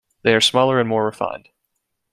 They are smaller and more refined.